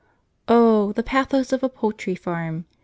O the pathos of a poultry farm!